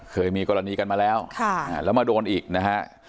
เคยมีกรณีกันมาแล้วแล้วมาโดนอีกนะฮะ